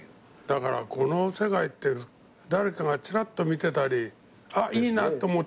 だからこの世界って誰かがちらっと見てたりあっいいなと思ったり。